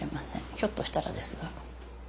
ひょっとしたらですが。